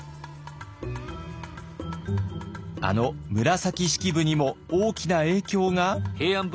あの紫式部にも大きな影響が？